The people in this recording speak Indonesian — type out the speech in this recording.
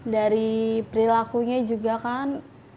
dari perilakunya juga kan